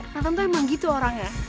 nathan tuh emang gitu orangnya